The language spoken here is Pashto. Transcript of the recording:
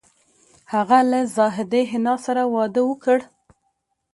هغه له زاهدې حنا سره واده وکړ